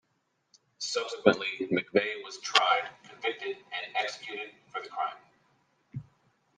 Subsequently, McVeigh was tried, convicted and executed for the crime.